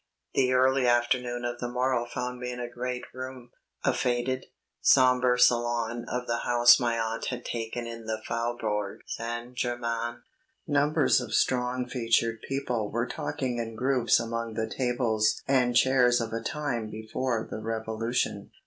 The early afternoon of the morrow found me in a great room a faded, sombre salon of the house my aunt had taken in the Faubourg Saint Germain. Numbers of strong featured people were talking in groups among the tables and chairs of a time before the Revolution.